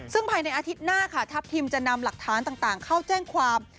ซึ่งภายในอาทิตย์หน้าค่ะทัพทิมจะนำหลักฐานต่างเข้าแจ้งความ